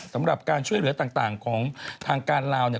สำหรับการช่วยเหลือต่างของทางการลาว